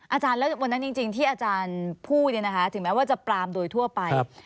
อาจารย์แล้ววันนั้นจริงที่อาจารย์พูดถึงแม้ว่าจะปรามโดยทั่วไป